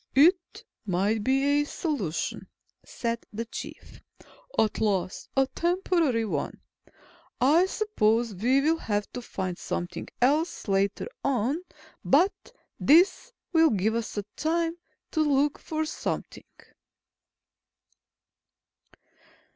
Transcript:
"It might be a solution," said the Chief. "At least, a temporary one. I suppose we will have to find something else later on. But this will give us time to look for something."